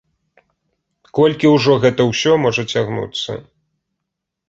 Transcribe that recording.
Колькі ўжо гэта ўсё можа цягнуцца?